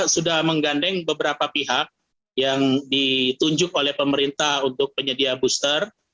sudah menggandeng beberapa pihak yang ditunjuk oleh pemerintah untuk penyedia booster